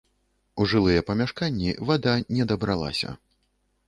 У жылыя памяшканні вада не дабралася.